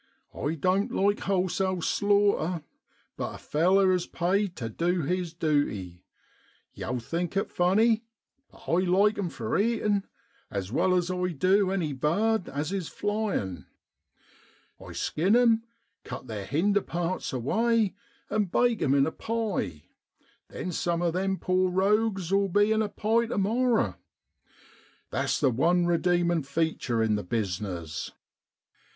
I doan't like wholesale slaughter, but a feller is paid tu du his duty. Yow'll think it funny, but I like 'em for eatin' as well as I du any bird as is a flyin' ! I skin 'em, cut their hinder parts away, and bake 'em in a pie. Some of them poor rogues '11 be in a pie to morrer. That's the one redeemin' feature in the business.